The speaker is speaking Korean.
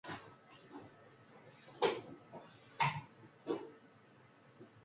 동혁은 커다란 주발 뚜껑으로 밥풀이 동동 뜬 노오란 전국을 주르르 따랐다.